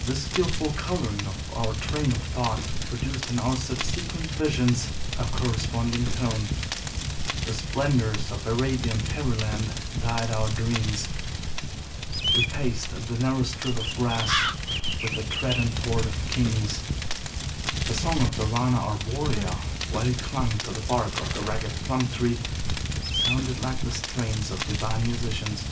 This skillful coloring of our train of thought produced in our subsequent visions a corresponding tone. The splendors of Arabian fairyland dyed our dreams. We paced the narrow strip of grass with the tread and port of kings. The song of the Rana arborea, while he clung to the bark of the ragged plum tree, sounded like the strains of divine musicians.